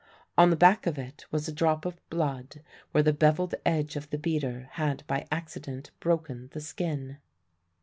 On the back of it was a drop of blood where the bevelled edge of the beater had by accident broken the skin.